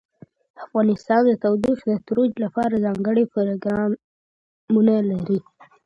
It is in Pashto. افغانستان د تودوخه د ترویج لپاره ځانګړي پروګرامونه لري.